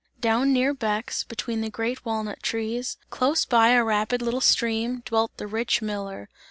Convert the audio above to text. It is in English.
Down near Bex, between the great walnut trees, close by a rapid little stream, dwelt the rich miller.